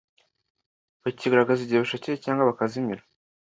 bakigaragaza igihe bashakiye cyangwa bakazimira